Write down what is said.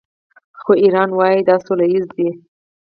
خو ایران وايي دا سوله ییز دی.